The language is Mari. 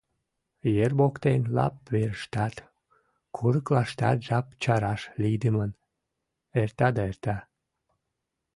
Ер воктен лап верыштат, курыклаштат жап чараш лийдымын эрта да эрта.